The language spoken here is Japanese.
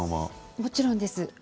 もちろんです。